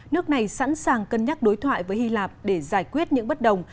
nước này sẵn sàng cân nhắc đối thoại với hy lạp để giải quyết những bất đồng